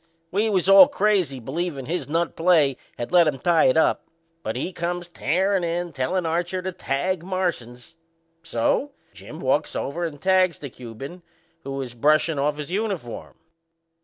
We was all crazy, believin' his nut play had let 'em tie it up; but he comes tearin' in, tellin' Archer to tag Marsans. So Jim walks over and tags the Cuban, who was brushin' off his uniform.